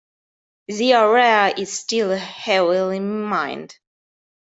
The area is still heavily mined.